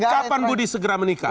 kapan budi segera menikah